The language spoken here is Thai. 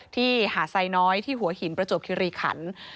หาดไซน้อยที่หัวหินประจวบคิริขัน